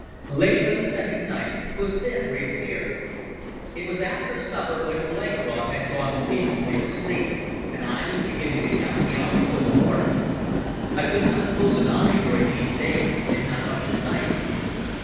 Late on the second night Hussin reappeared. It was after supper, when Blenkiron had gone peacefully to sleep and I was beginning to count the hours till the morning. I could not close an eye during these days and not much at night.